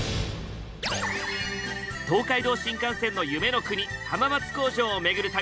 東海道新幹線の夢の国浜松工場を巡る旅。